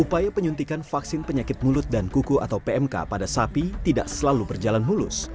upaya penyuntikan vaksin penyakit mulut dan kuku atau pmk pada sapi tidak selalu berjalan mulus